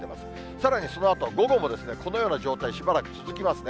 さらにそのあと午後も、このような状態、しばらく続きますね。